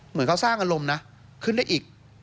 เหมือนเขาสร้างอารมณ์นะขึ้นได้อีก